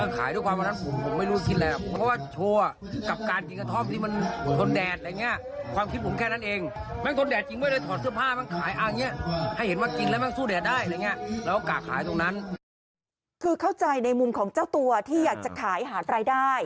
คือเข้าใจในมุมของเจ้าตัวที่อยากจะขายหารายได้